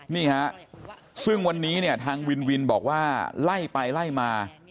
นี่ฮะซึ่งวันนี้เนี่ยทางวินวินบอกว่าไล่ไปไล่มา